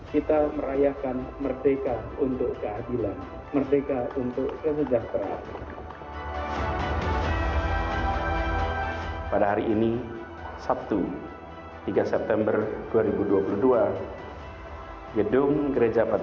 kita merayakan keadilan di kampung aquarium